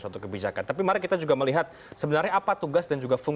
suatu kebijakan tapi mari kita juga melihat sebenarnya apa tugas dan juga fungsi dari ukpp ip yang